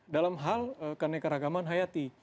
dalam hal konekaragaman hayati